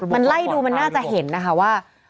มันไล่ดูมันน่าจะเห็นนะคะว่า